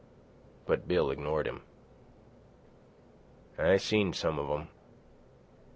But Bill ignored him. "I seen some of them.